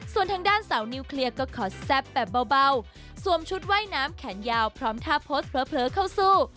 ส่วนทางด้านสาวนิวเคลียร์ก็ขอแซ่บแบบเบาสวมชุดว่ายน้ำแขนยาวพร้อมท่าโพสต์เผลอเข้าสู้